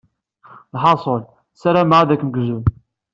Lḥaṣul, ssarameɣ ad kem-gzun.